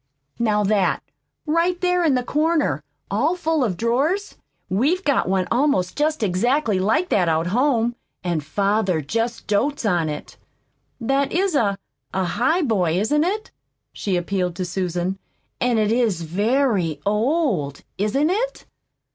Now that, right there in the corner, all full of drawers We've got one almost just exactly like that out home, and father just dotes on it. That IS a a highboy, isn't it?" she appealed to Susan. "And it is very old, isn't it?"